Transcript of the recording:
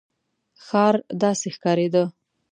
ښار داسې ښکارېده.